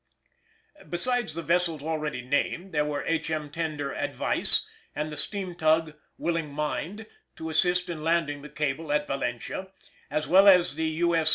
Besides the vessels already named, there were H.M. tender Advice and the steam tug Willing Mind to assist in landing the cable at Valentia, as well as the U.S.